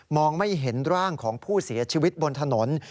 ไม่เห็นร่างของผู้เสียชีวิตบนถนน